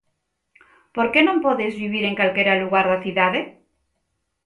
Por que non podes vivir en calquera lugar da cidade?